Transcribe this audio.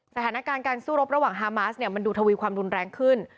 สถานการณ์การสู้รบระหว่างฮามาสเนี่ยมันดูทวีความรุนแรงขึ้น